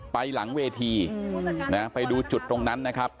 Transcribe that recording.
ไปหลังเวทีไปดูจุดตรงนั้นนะครับ